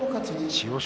千代翔